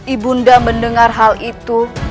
ibu anda mendengar hal itu